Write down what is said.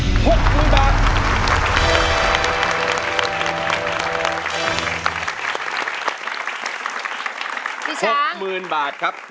พี่ช้าง๖๐๐๐๐บาทครับ